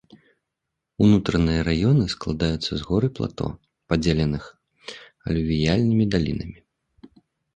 Унутраныя раёны складаюцца з гор і плато, падзеленых алювіяльнымі далінамі.